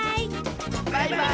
バイバーイ！